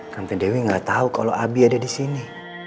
tante dewi gak tau kalau abi ada disini